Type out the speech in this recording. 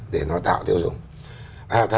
để nó tạo tiêu dùng